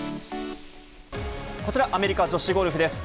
こちら、アメリカ女子ゴルフです。